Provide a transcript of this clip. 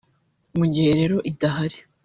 mu gihe rero idahari